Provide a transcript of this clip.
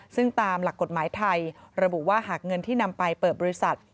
ซึ่งตามหลักกฎหมายไทยระบุว่าหากเงินที่นำไปเปิดบริษัท